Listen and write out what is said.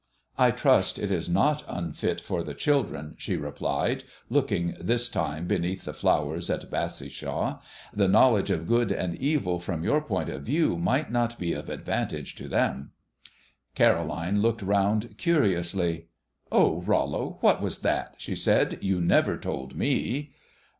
"I trust it is not unfit for the children," she replied, looking this time beneath the flowers at Bassishaw. "The knowledge of good and evil from your point of view might not be of advantage to them." Caroline looked round curiously. "Oh, Rollo, what was that?" she said. "You never told me."